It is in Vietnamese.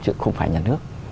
chứ không phải nhà nước